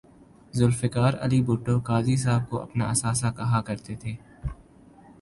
ذوالفقار علی بھٹو قاضی صاحب کو اپنا اثاثہ کہا کر تے تھے